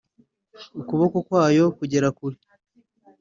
ukuboko kwayo kugera kure